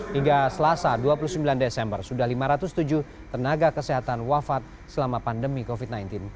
hingga selasa dua puluh sembilan desember sudah lima ratus tujuh tenaga kesehatan wafat selama pandemi covid sembilan belas